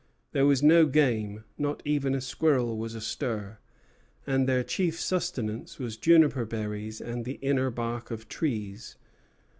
There was no game; not even a squirrel was astir; and their chief sustenance was juniper berries and the inner bark of trees.